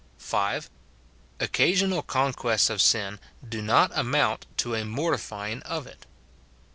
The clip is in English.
(5.) Occasional conque&ts of sin do not amount to a « mortifying of it.